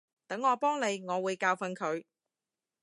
等我幫你，我會教訓佢